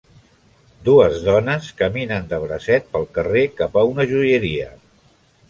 Dues dones caminen de bracet pel carrer cap a una joieria